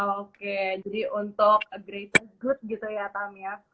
oke jadi untuk greatest good gitu ya tamiya